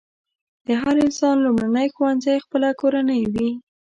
د هر انسان لومړنی ښوونځی خپله کورنۍ وي.